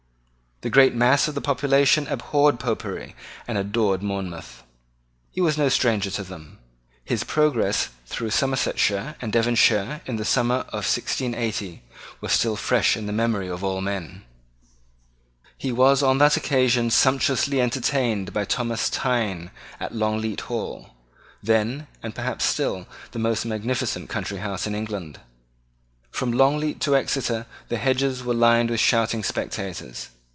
The great mass of the population abhorred Popery and adored Monmouth. He was no stranger to them. His progress through Somersetshire and Devonshire in the summer of 1680 was still fresh in the memory of all men. He was on that occasion sumptuously entertained by Thomas Thynne at Longleat Hall, then, and perhaps still, the most magnificent country house in England. From Longleat to Exeter the hedges were lined with shouting spectators.